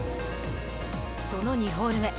その２ホール目。